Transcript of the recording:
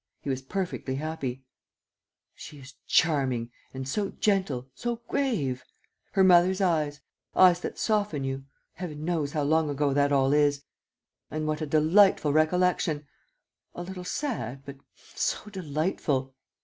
He was perfectly happy: "She is charming ... and so gentle, so grave! Her mother's eyes, eyes that soften you ... Heavens, how long ago that all is! And what a delightful recollection! A little sad, but so delightful!"